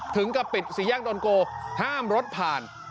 ถึงกับปิดสี่แยกดอนโกห้ามรถผ่าน